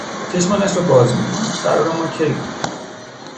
چشمانش را باز میکند. قرارِ ما کی بود